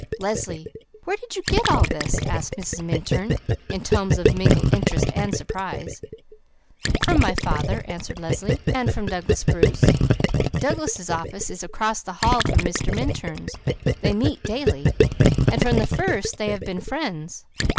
"Leslie, where did you get all this?" asked Mrs. Minturn in tones of mingled interest and surprise. "From my father!" answered Leslie. "And from Douglas Bruce. Douglas' office is across the hall from Mr. Minturn's; they meet daily, and from the first they have been friends.